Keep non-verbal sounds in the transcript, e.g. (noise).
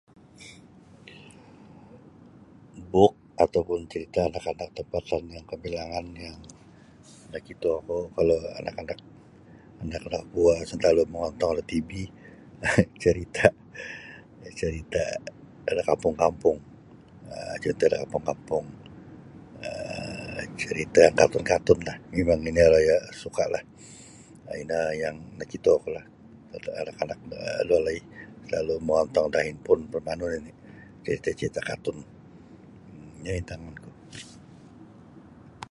Buuk ataupun carita anak-anak tampatan yang kabilangan yang nakito ku kalau anak-anak anak-anak buah salalu mongontong da TV (laughs) carita carita kampung-kampung um carita da kampung-kampung um carita katun-katun lah mimang ino lah iyo sukalah um ino yang nakito ku lah anak-anak da walai salalu mongontong da handphone manu nini salalu mongongtong carita katun-katun ino intagun ku.